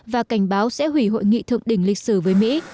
và cảnh báo sẽ hủy hội nghị thượng đỉnh lịch sử với mỹ